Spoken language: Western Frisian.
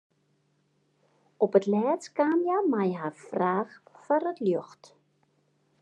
Op 't lêst kaam hja mei har fraach foar it ljocht.